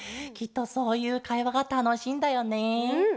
きっとそういうかいわがたのしいんだよね。